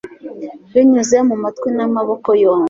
Binyuze mu matwi namaboko yombi